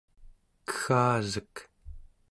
keggasek